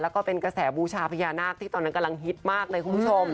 แล้วก็เป็นกระแสบูชาพญานาคที่ตอนนั้นกำลังฮิตมากเลยคุณผู้ชม